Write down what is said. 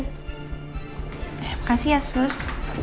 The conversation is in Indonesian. terima kasih ya sus